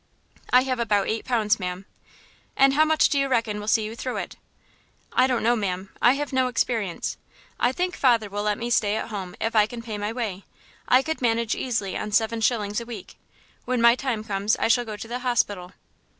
"I have about eight pounds, ma'am." "And how much do you reckon will see you through it?" "I don't know, ma'am, I have no experience. I think father will let me stay at home if I can pay my way. I could manage easily on seven shillings a week. When my time comes I shall go to the hospital."